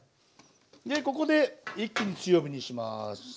でここで一気に強火にします。